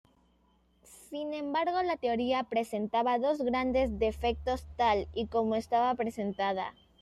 Sin embargo, la teoría presentaba dos grandes defectos tal y como estaba presentada.